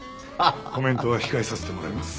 コメントは控えさせてもらいます。